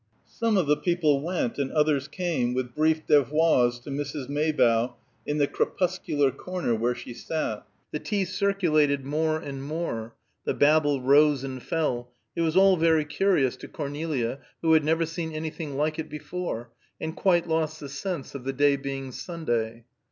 Some of the people went, and others came, with brief devoirs to Mrs. Maybough in the crepuscular corner where she sat. The tea circulated more and more; the babble rose and fell; it was all very curious to Cornelia, who had never seen anything like it before, and quite lost the sense of the day being Sunday.